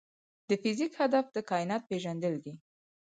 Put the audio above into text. د فزیک هدف د کائنات پېژندل دي.